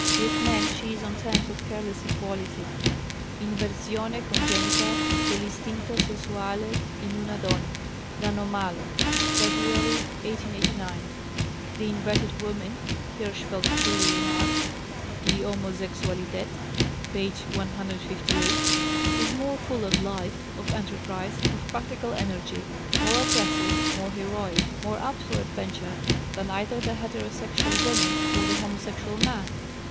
With men she is on terms of careless equality." ("Inversione congenita dell'istinto sessuale in una donna," L'Anomalo, February, 1889.) "The inverted woman," Hirschfeld truly remarks (Die Homosexualität, p. 158), "is more full of life, of enterprise, of practical energy, more aggressive, more heroic, more apt for adventure, than either the heterosexual woman or the homosexual man."